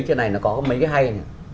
trên này nó có mấy cái hay